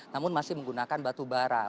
namun masih menggunakan batubara